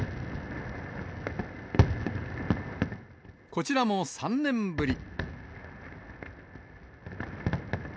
こちらも３年ぶり。